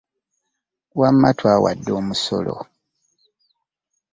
Wamma twawa dda omusolo.